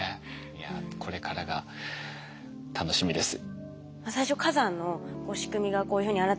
いやこれからが楽しみです。